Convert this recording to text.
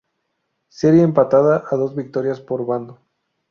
Serie empatada a dos victorias por bando.